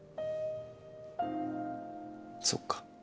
そっか。